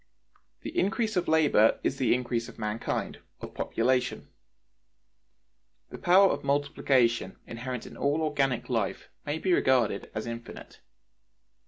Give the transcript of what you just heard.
The increase of labor is the increase of mankind; of population. The power of multiplication inherent in all organic life may be regarded as infinite.